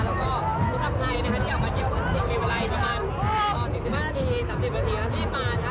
และสำหรับใครที่อยากมาเที่ยวคือจิ้งวิวไลด์ประมาณ๔๕๓๐นาทีแล้วได้มา